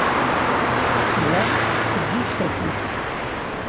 Da, tettfeǧǧiǧ tafukt.